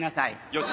よし。